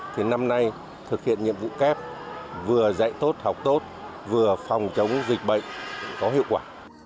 thì năm nay thực hiện nhiệm vụ kép vừa dạy tốt học tốt vừa phòng chống dịch bệnh có hiệu quả